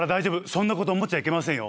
そんなこと思っちゃいけませんよ。